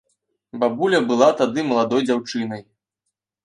Бабуля была тады маладой дзяўчынай.